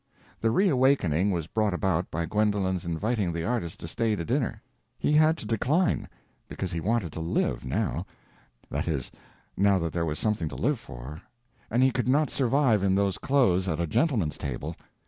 The re awakening was brought about by Gwendolen's inviting the artist to stay to dinner. He had to decline, because he wanted to live, now—that is, now that there was something to live for—and he could not survive in those clothes at a gentleman's table.